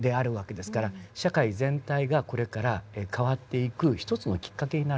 社会全体がこれから変わっていく一つのきっかけになるのかもしれません。